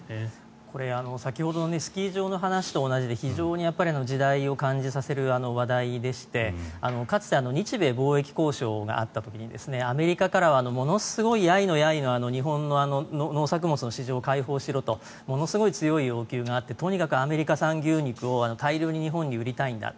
これ先ほどのスキー場の話と同じで非常に時代を感じさせる話題でしてかつて日米貿易交渉があった時にアメリカからはものすごいやいのやいの日本の農作物の市場を開放しろとものすごい強い要求があってとにかくアメリカ産牛肉を大量に日本に売りたいんだ。